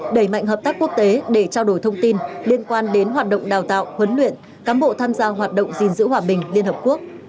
đẩy mạnh hợp tác quốc tế để trao đổi thông tin liên quan đến hoạt động đào tạo huấn luyện cán bộ tham gia hoạt động gìn giữ hòa bình liên hợp quốc